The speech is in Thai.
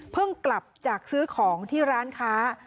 กลับจากซื้อของที่ร้านค้า